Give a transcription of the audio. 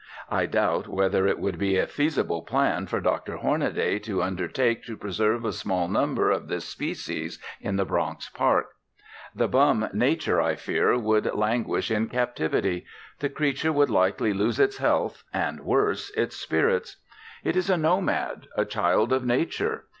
I doubt whether it would be a feasible plan for Dr. Hornaday to undertake to preserve a small number of this species in the Bronx Park. The bum nature, I fear, would languish in captivity. The creature would likely lose its health, and, worse, its spirits. It is a nomad, a child of nature.